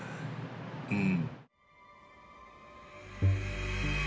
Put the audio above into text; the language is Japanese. うん。